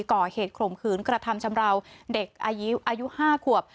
ก่อเหตุโครงขืนกระทำฉำเลาเด็กอายุห้าขวบ